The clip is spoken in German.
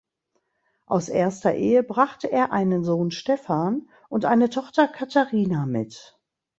Aus erster Ehe brachte er einen Sohn Stefan und eine Tochter Katharina mit.